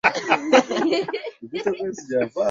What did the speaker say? kuanza kusaka marafiki katika ukanda wa afrika